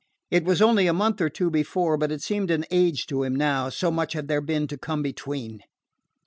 It was only a month or two before, but it seemed an age to him now, so much had there been to come between.